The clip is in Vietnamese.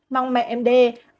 mong mẹ em d h h